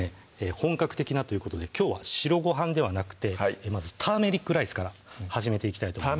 本格的なということできょうは白ごはんではなくてまずターメリックライスから始めていきたいと思います